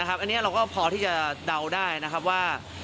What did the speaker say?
อันนี้เราก็พอที่จะเดาได้นะครับว่า